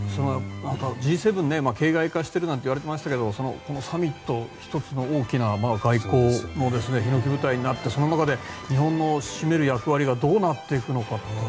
Ｇ７形骸化しているなんて言われてましたけどサミット１つの大きな外交のひのき舞台となってその中で日本の占める役割がどうなっていくのか。